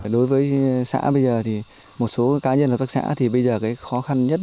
đối với xã bây giờ thì một số cá nhân hoặc các xã thì bây giờ khó khăn nhất